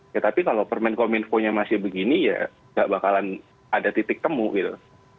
ya tapi kalau permen kominfo nya masih begini ya nggak bakalan ada titik temu gitu